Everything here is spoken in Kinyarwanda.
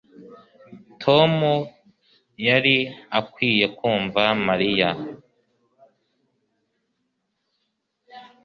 Tom yari akwiye kumva Mariya